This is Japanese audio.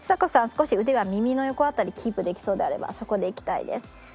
少し腕は耳の横辺りキープできそうであればそこでいきたいです。